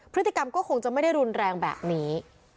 พฤติกรรมก็คงจะไม่ได้รุนแรงแบบนี้